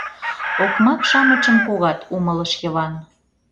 — Окмак-шамычым погат, — умылыш Йыван.